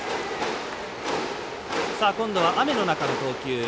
今度は、雨の中の投球。